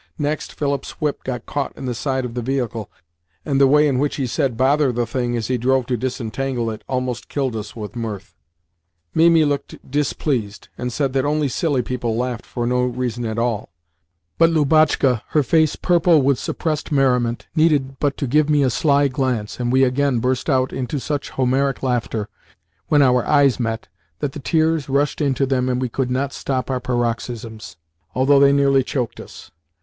Next, Philip's whip got caught in the side of the vehicle, and the way in which he said, "Bother the thing!" as he drove to disentangle it almost killed us with mirth. Mimi looked displeased, and said that only silly people laughed for no reason at all, but Lubotshka—her face purple with suppressed merriment—needed but to give me a sly glance, and we again burst out into such Homeric laughter, when our eyes met, that the tears rushed into them and we could not stop our paroxysms, although they nearly choked us.